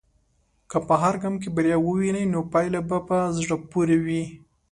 که په هر ګام کې بریا ووینې، نو پايله به په زړه پورې وي.